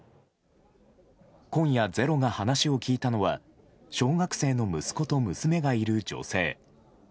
今夜、「ｚｅｒｏ」が話を聞いたのは小学生の息子と娘がいる女性。